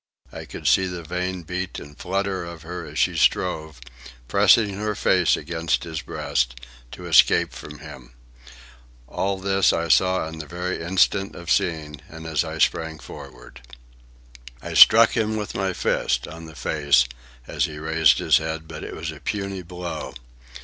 I could see the vain beat and flutter of her as she strove, pressing her face against his breast, to escape from him. All this I saw on the very instant of seeing and as I sprang forward. I struck him with my fist, on the face, as he raised his head, but it was a puny blow.